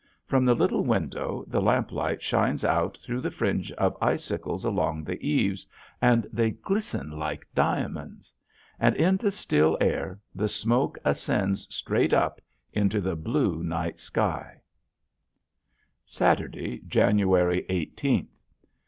From the little window the lamplight shines out through the fringe of icicles along the eaves, and they glisten like diamonds. And in the still air the smoke ascends straight up into the blue night sky. [Illustration: VICTORY] Saturday, January eighteenth.